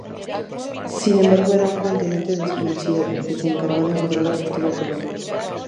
Sin embargo era un continente desconocido; el que se encargó de encontrar Cristóbal Colón.